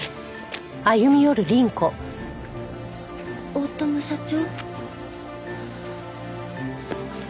大友社長？